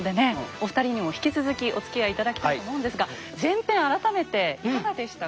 お二人にも引き続きおつきあい頂きたいと思うんですが前編改めていかがでしたか？